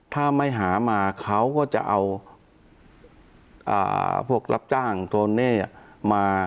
ถ้าไม่หามาเขาก็จะเอาพวกรับจ้างโทเน่มา